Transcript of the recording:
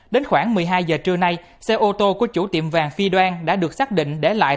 đến khoảng một mươi hai giờ trưa nay xe ô tô của chủ tiệm vàng phi đoan đã được xác định để lại